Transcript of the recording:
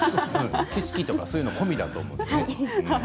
景色とかそういうのも込みだと思うのでね。